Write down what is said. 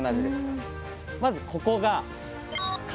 まずここが肩。